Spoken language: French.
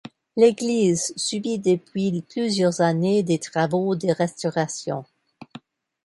L'église subit depuis plusieurs années des travaux de restauration.